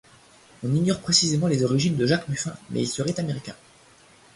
On ignore précisément les origines de Jacques Muffin, mais il serait Américain.